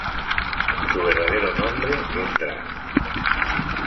Su verdadero nombre es Dra.